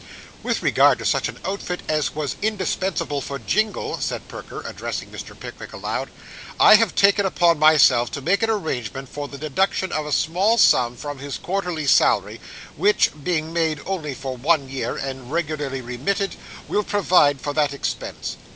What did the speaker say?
'With regard to such an outfit as was indispensable for Jingle,' said Perker, addressing Mr. Pickwick aloud. 'I have taken upon myself to make an arrangement for the deduction of a small sum from his quarterly salary, which, being made only for one year, and regularly remitted, will provide for that expense.